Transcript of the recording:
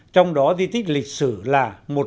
trong đó di tích lịch sử là